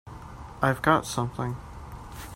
I've got something!